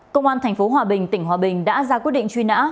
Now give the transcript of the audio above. công an thành phố hòa bình tỉnh hòa bình đã ra quyết định truy nã